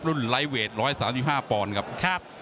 รุ่นไรเวท๑๓๕ปอนครับ